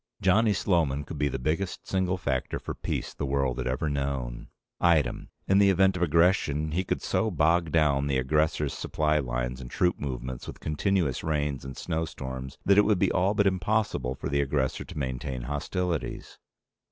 Johnny Sloman could be the biggest single factor for peace the world had ever known. Item. In the event of aggression, he could so bog down the aggressor's supply lines and troop movements with continuous rains and snowstorms that it would be all but impossible for the aggressor to maintain hostilities.